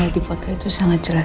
tau dari rafael